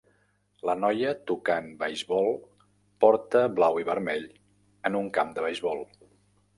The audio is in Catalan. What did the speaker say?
La noia tocant beisbol porta blau i vermell en un camp de beisbol.